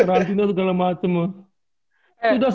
terang terang segala macem loh